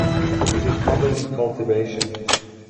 It is common in cultivation.